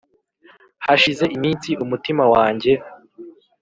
hashize iminsi umutima wanjye